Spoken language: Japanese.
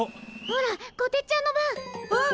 ほらこてっちゃんの番！わあ！